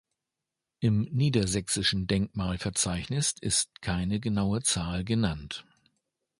Im niedersächsischen Denkmalverzeichnis ist keine genaue Zahl genannt.